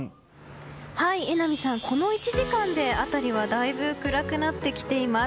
榎並さん、この１時間で辺りはだいぶ暗くなってきています。